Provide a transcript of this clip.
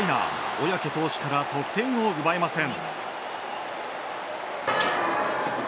小宅投手から得点を奪えません。